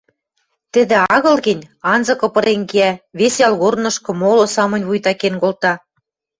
тӹдӹ агыл гӹнь, анзыкы пырен кеӓ, вес ялгорнышкы моло самынь вуйта кен колта.